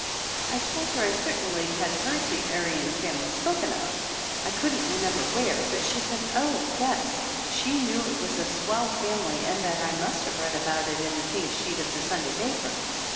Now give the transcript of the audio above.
I told her I certainly had heard the Aryan family spoken of, I couldn't remember where, but she said oh, yes, she knew it was a swell family and that I must have read about it in the pink sheet of the Sunday paper.